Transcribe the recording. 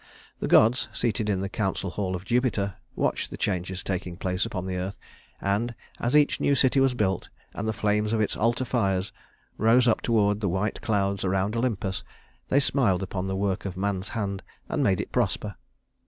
The gods, seated in the council hall of Jupiter, watched the changes taking place upon the earth; and as each new city was built and the flames of its altar fires rose up toward the white clouds around Olympus, they smiled upon the work of man's hand and made it prosper.